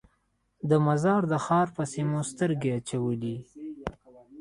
د مزار د ښار پسې مو سترګې اچولې.